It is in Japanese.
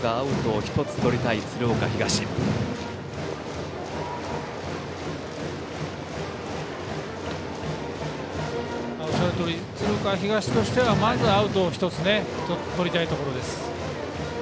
おっしゃるとおり鶴岡東としてはまずアウトを１つとりたいところです。